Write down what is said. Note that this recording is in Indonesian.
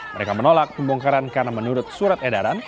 mereka menolak pembongkaran karena menurut surat edaran